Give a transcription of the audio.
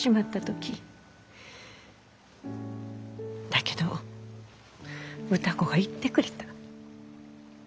だけど歌子が言ってくれた。